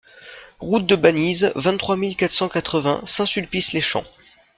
Route de Banize, vingt-trois mille quatre cent quatre-vingts Saint-Sulpice-les-Champs